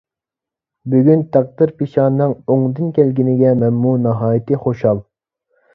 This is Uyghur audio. بۈگۈن تەقدىر - پېشانەڭ ئوڭدىن كەلگىنىگە مەنمۇ ناھايىتى خۇشال.